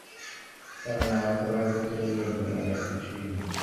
কারণ আহত বাঘের চেয়ে বিপজ্জনক আর কিছুই নয়।